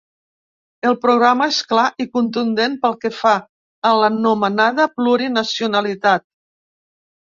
El programa és clar i contundent pel que fa a l’anomenada plurinacionalitat.